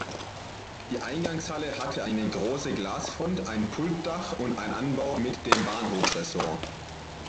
Die Eingangshalle hatte eine große Glasfront, ein Pultdach und einen Anbau mit dem Bahnhofsrestaurant.